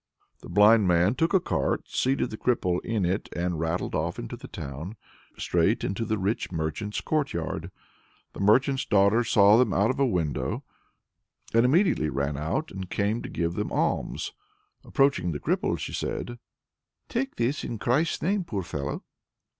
The blind man took a cart, seated the cripple in it, and rattled it into the town, straight into the rich merchant's courtyard. The merchant's daughter saw them out of window, and immediately ran out, and came to give them alms. Approaching the cripple, she said: "Take this, in Christ's name, poor fellow!"